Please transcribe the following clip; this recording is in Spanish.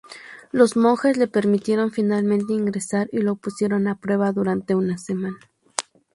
Los monjes le permitieron finalmente ingresar y lo pusieron a prueba durante una semana.